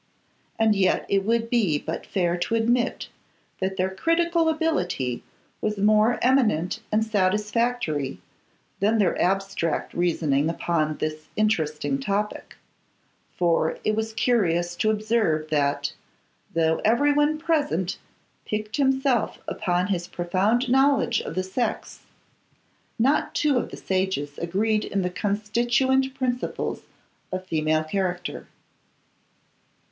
And yet it would be but fair to admit that their critical ability was more eminent and satisfactory than their abstract reasoning upon this interesting topic; for it was curious to observe that, though everyone present piqued himself upon his profound knowledge of the sex, not two of the sages agreed in the constituent principles of female character.